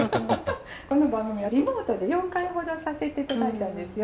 この番組はリモートで４回ほどさせて頂いたんですよ。